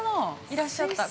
いらっしゃった。